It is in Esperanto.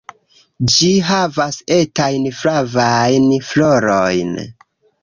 Ĝi havas etajn flavajn florojn.